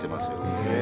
へえ！